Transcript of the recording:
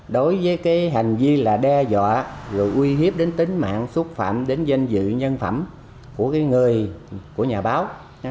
đối với cái hành vi là đe dọa rồi uy hiếp đến tính mạng xúc phạm đến danh dự nhân phẩm của người của nhà báo